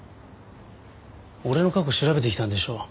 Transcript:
俺の過去調べてきたんでしょ？